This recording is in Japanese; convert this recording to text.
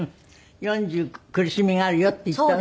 四重苦しみがあるよって言った。